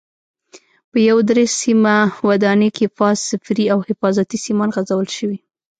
په یوه درې سیمه ودانۍ کې فاز، صفري او حفاظتي سیمان غځول شوي.